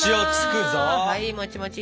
はいもちもち。